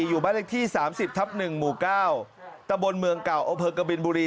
อยู่ใบ้เลขที่สามสิบทับหนึ่งหมู่เก้าตำบนเมืองเก่าอพเฮอร์กประบิณบุรี